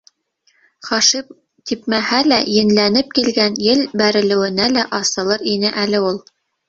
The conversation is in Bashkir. Хашим типмәһә лә, енләнеп килгән ел бәрелеүенә лә асылыр ине әле ул.